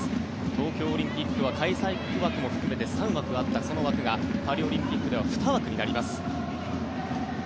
東京オリンピックは開催国枠も含めて３枠あったその枠がパリオリンピックでは２枠になります。